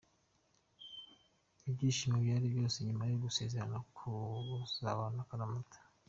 Ibyishimo byari byose nyuma yo gusezerana kuzabana akaramata.